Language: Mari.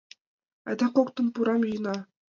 Айда коктын пурам йӱна